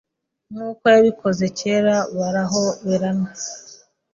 nkuko yabikoze cyera barahoberana